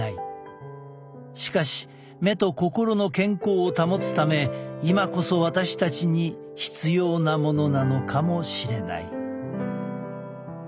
しかし目と心の健康を保つため今こそ私たちに必要なものなのかもしれない。